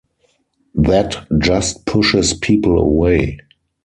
That just pushes people away.